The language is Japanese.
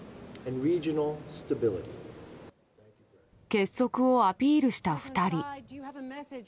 結束をアピールした２人。